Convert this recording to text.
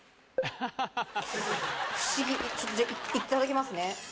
不思議いただきますね。